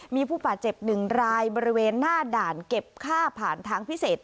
มีผู้บาดเจ็บ๑รายบริเวณหน้าด่านเก็บค่าผ่านทางพิเศษ